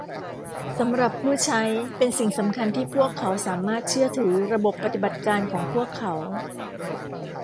สำหรับผู้ใช้เป็นสิ่งสำคัญที่พวกเขาสามารถเชื่อถือระบบปฏิบัติการของพวกเขา